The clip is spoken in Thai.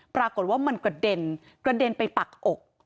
ปรากฏว่ามันกระเด็นไปปักอก